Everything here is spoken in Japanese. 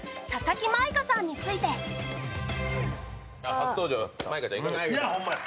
初登場、舞香ちゃんいかがでした？